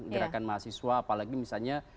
gerakan mahasiswa apalagi misalnya